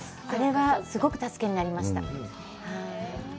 あれはすごく助けになりました。